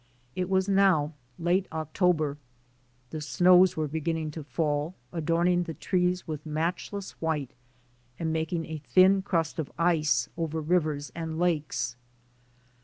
It was now late Oc tober. The snows were beginning to fall, adorning the trees with matchless white and making a thin crust of ice over rivers and lakes.